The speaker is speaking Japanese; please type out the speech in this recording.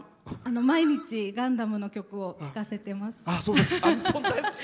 毎日「ガンダム」の曲を聴かせてます。